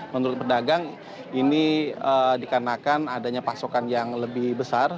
menurut pedagang ini dikarenakan adanya pasokan yang lebih besar